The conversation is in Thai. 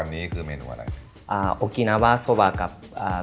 อันนี้คือเมนูอะไรอ่าโอกินาวาสโซบากับอ่า